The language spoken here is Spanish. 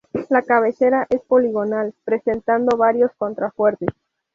La cabecera es poligonal, presentando varios contrafuertes.